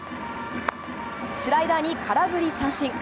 スライダーに空振り三振。